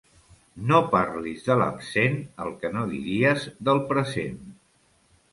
No parlis de l'absent el que no diries del present.